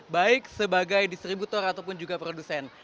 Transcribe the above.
baik sebagai distributor ataupun juga produsen